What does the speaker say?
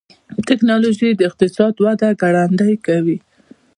ټکنالوجي د اقتصاد وده ګړندۍ کوي.